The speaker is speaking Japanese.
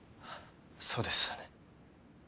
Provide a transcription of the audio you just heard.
そうですよね。